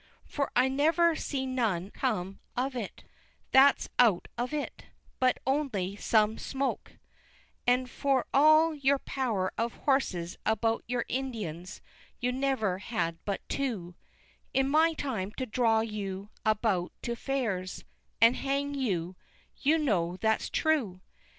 For I never see none come of it, that's out of it but only sum Smoak And for All your Power of Horses about your Indians you never had but Two In my time to draw you About to Fairs and hang you, you know that's true!